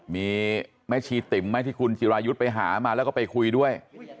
มีแม่ชีติ๋มไหมที่คุณจิรายุทธ์ไปหามาแล้วก็ไปคุยด้วย